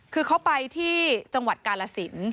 คือเขาไปที่จังหวัดกาลสิน